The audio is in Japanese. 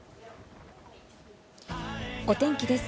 お天気です。